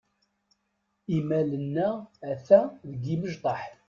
Imal-nneɣ ata deg imecṭaḥ.